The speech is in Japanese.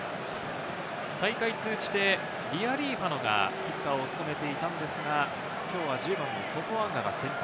大会通じて、リアリーファノがキッカーを務めていたんですが、きょうは１０番のソポアンガが先発。